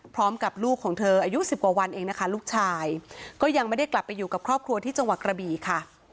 ลูกของเธออายุสิบกว่าวันเองนะคะลูกชายก็ยังไม่ได้กลับไปอยู่กับครอบครัวที่จังหวัดกระบี่ค่ะ